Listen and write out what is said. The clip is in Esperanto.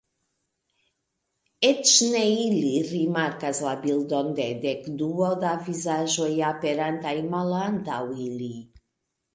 Eĉ ne ili rimarkas la bildon de dekduo da vizaĝoj aperantaj malantaŭ ili.